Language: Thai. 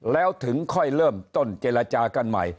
แล้วถึงค่อยเริ่มต้นเจรจากันใหม่